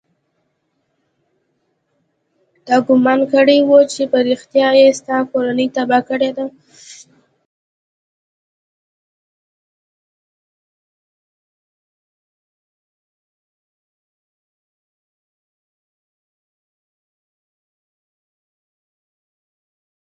تا ګومان کړى و چې په رښتيا يې ستا کورنۍ تباه کړې ده.